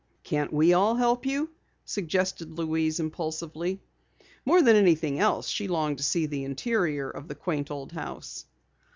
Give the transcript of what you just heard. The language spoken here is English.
"Can't we all help you?" suggested Louise impulsively. More than anything else she longed to see the interior of the quaint old house.